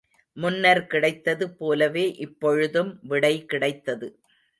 முன்னர் கிடைத்தது போலவே இப்பொழுதும் விடை கிடைத்தது.